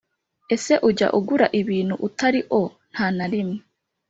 Ese ujya ugura ibintu utari O Nta na rimwe